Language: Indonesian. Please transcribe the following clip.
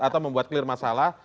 atau membuat clear masalah